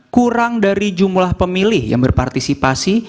kurang dari jumlah pemilih yang berpartisipasi